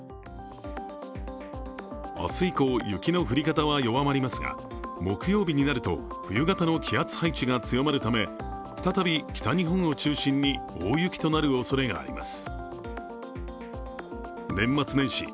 明日以降、雪の降り方は弱まりますが木曜日になると冬型の気圧配置が強まるため、再び北日本を中心に大雪となるおそれがあります。